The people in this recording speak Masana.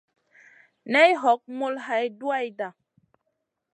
Nay hog mul hay duwayda.